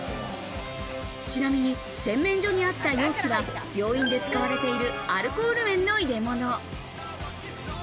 ちなみに洗面所にあった容器は病院で使われているアルコール綿の入れ物。